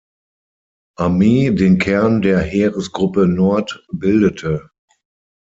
Armee den Kern der Heeresgruppe Nord bildete.